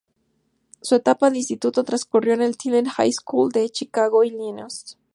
Su etapa de instituto transcurrió en el "Tilden High School" de Chicago, Illinois.